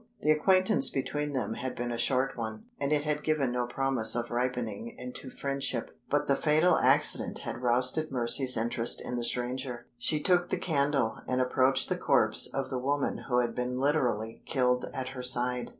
The acquaintance between them had been a short one; and it had given no promise of ripening into friendship. But the fatal accident had roused Mercy's interest in the stranger. She took the candle, and approached the corpse of the woman who had been literally killed at her side.